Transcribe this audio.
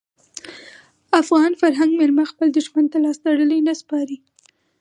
افغان فرهنګ میلمه خپل دښمن ته لاس تړلی نه سپاري.